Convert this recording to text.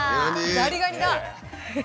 ザリガニ！